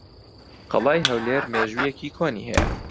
قەڵای هەولێر مێژوویەکی کۆنی ھەیە.